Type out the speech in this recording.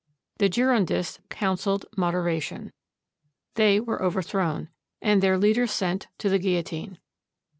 The Girondists counseled moderation. They were overthrown and their leaders sent to the guillotine.